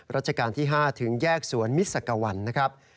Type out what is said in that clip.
ราชการที่๕ถึงแยกสวนมิสักวันนะครับ